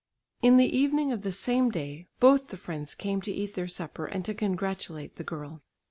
In the evening of the same day both the friends came to eat their supper and to congratulate the girl.